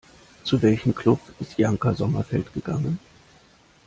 Zu welchem Club ist Janka Sommerfeld gegangen?